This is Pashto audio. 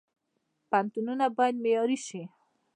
پوهنتونونه باید معیاري شي